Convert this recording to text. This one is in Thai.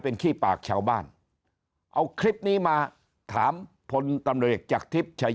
เป็นขี้ปากเช้าบ้านเอาคลิปนี้มาถามผลตำแหน่งจากทริปชาย